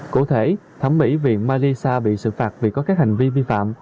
cụ thể thẩm mỹ viện marisa bị xử phạt vì có các hành vi vi phạm